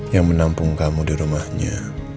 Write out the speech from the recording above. yang menampung kamu di rumahnya